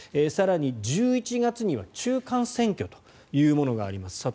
更に、１１月には中間選挙というものがあります。